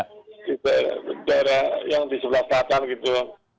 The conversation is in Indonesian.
di daerah yang di sebelah selatan gitu